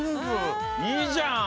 いいじゃん！